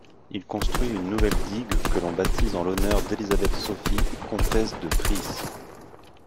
Il construit une nouvelle digue qu'on baptise en l'honneur d'Elisabeth Sophie, comtesse de Friis.